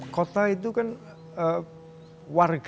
kota itu kan warga